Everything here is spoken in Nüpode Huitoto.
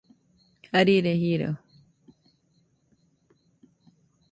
Jarire jiro.